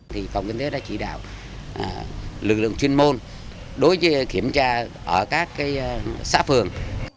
thì phòng kinh tế đã chỉ đạo lực lượng chuyên môn đối với kiểm tra ở các xã phường